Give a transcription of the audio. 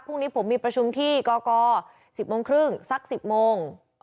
พรุ่งนี้ผมมีประชุมที่กก๑๐๓๐สัก๑๐โมง